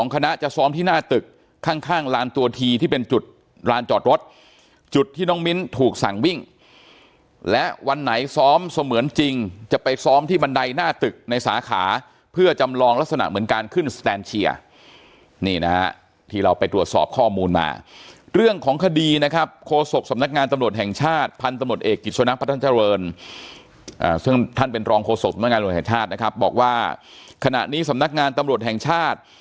คณะจะซ้อมที่หน้าตึกข้างลานตัวทีที่เป็นจุดลานจอดรถจุดที่น้องมิ้นถูกสั่งวิ่งและวันไหนซ้อมเสมือนจริงจะไปซ้อมที่บันไดหน้าตึกในสาขาเพื่อจำลองลักษณะเหมือนกันขึ้นแสนเชียร์นี่นะฮะที่เราไปตรวจสอบข้อมูลมาเรื่องของคดีนะครับโฆษกสำนักงานตำรวจแห่งชาติพันธุ์ตำรวจเอกกิจโ